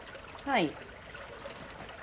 はい。